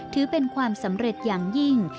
ถือเป็นความสำเร็จอย่างยิ่ง